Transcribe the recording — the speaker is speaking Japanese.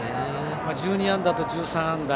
１２安打と１３安打。